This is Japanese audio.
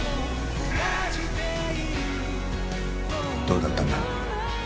どうだったんだ？